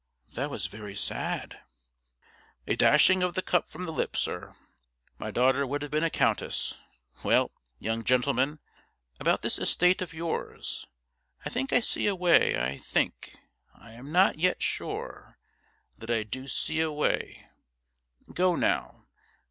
'That was very sad.' 'A dashing of the cup from the lip, sir. My daughter would have been a countess. Well, young gentleman, about this estate of yours. I think I see a way I think, I am not yet sure that I do see a way. Go now.